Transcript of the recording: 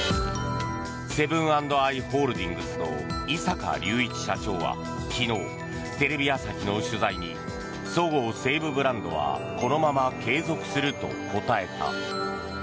セブン＆アイ・ホールディングスの井阪隆一社長は昨日テレビ朝日の取材にそごう・西武ブランドはこのまま継続すると答えた。